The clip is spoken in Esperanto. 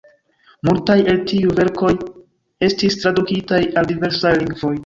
Multaj el tiuj verkoj estis tradukitaj al diversaj lingvoj.